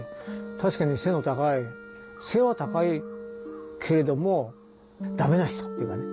確かに背の高い背は高いけれどもダメな人っていうかね。